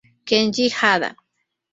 Kenji Hada